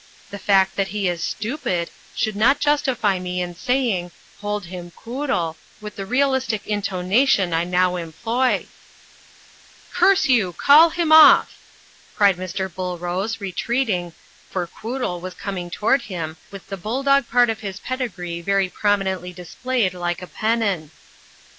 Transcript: The fact that he is stupid would not justify me * in saying 'hold him, Quoodle/ with the realistic into nation I now employ " "Curse you, call him off!" cried Mr. Bullrose, re treating, for Quoodle was coming toward him with the bulldog part of his pedigree very prominently displayed, like a pennon.